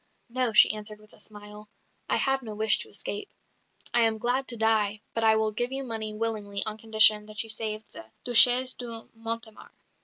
"No," she answered with a smile, "I have no wish to escape. I am glad to die; but I will give you money willingly on condition that you save the Duchesse de Mortemart."